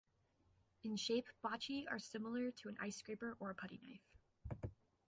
In shape, bachi are similar to an ice scraper or a putty knife.